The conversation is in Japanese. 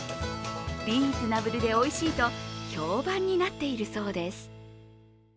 リーズナブルでおいしいと評判になっているそうです。